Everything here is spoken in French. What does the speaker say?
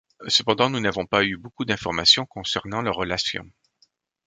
Cependant nous n'avons pas eu beaucoup d'informations concernant leur relation.